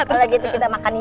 kalau gitu kita makan yuk